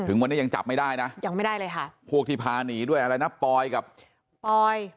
วันนี้ยังจับไม่ได้นะยังไม่ได้เลยค่ะพวกที่พาหนีด้วยอะไรนะปอยกับปอย